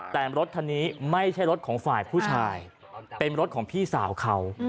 แต่รถคันนี้ไม่ใช่รถของฝ่ายผู้ชายเป็นรถของพี่สาวเขา